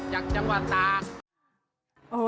จากจังหวัดตาก